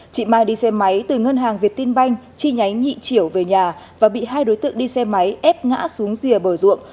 chị mai đi xe máy từ ngân hàng việt tin banh chi nhánh nhị chiểu về nhà và bị hai đối tượng đi xe máy ép ngã xuống rìa bờ ruộng